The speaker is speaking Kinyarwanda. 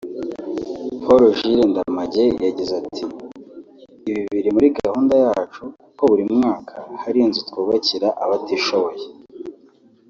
Paul Jules Ndamage yagize ati “Ibi biri muri gahunda yacu kuko buri mwaka hari inzu twubakira abatishoboye